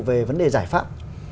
về vấn đề giải pháp